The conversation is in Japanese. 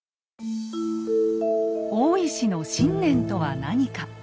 大石の信念とは何か。